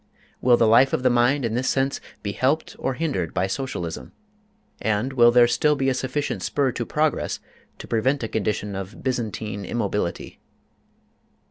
Will the life of the mind in this sense be helped or hindered by Socialism? And will there still be a sufficient spur to progress to prevent a condition of Byzantine immobility?